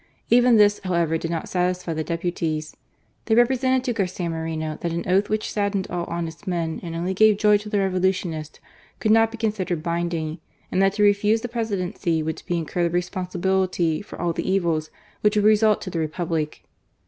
Even this, however, did not satisfy the deputies. They >o8 CARCtA MORENO. represented to Garcia 'Moreno that an oath "vtM&k saddened all honest men and only gave joy fo tite Revolutionists^ conldnot be considered Inndinfi: and that to refose the Plresidency would be to incur the responsibility for all the evils which would result to the Republic.